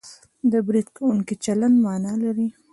د برید کوونکي چلند مانا لري